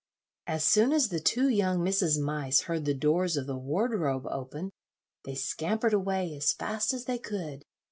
As soon as the two young Mrs. Mice heard the doors of the wardrobe opened, they scampered away as fast as they could.